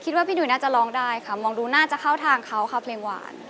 พี่หุยน่าจะร้องได้ค่ะมองดูน่าจะเข้าทางเขาค่ะเพลงหวาน